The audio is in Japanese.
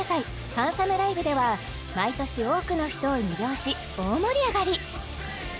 ハンサムライブでは毎年多くの人を魅了し大盛り上がり！